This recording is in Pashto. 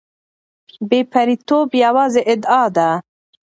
بې پرېتوب یوازې ادعا ده.